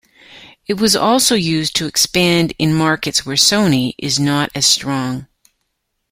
It was also used to expand in markets where Sony is not as strong.